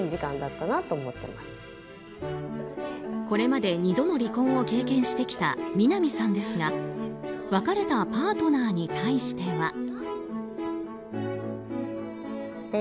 これまで２度の離婚を経験してきた南さんですが別れたパートナーに対しては。